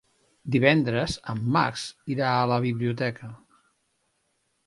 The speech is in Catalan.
Divendres en Max irà a la biblioteca.